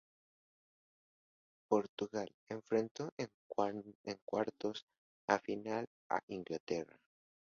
Portugal enfrentó en cuartos de final a Inglaterra.